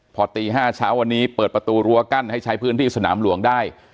พอตี๕เช้าวันนี้เปิดประตูรั้วกั้นให้ใช้พื้นที่สนามหลวงได้